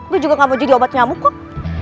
gue juga gak mau jadi obat nyamuk kok